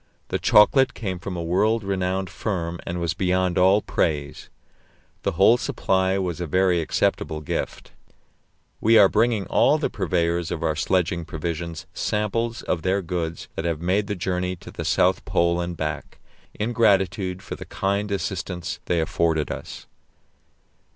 The chocolate came from a world renowned firm, and was beyond all praise. The whole supply was a very acceptable gift. We are bringing all the purveyors of our sledging provisions samples of their goods that have made the journey to the South Pole and back, in gratitude for the kind assistance they afforded us.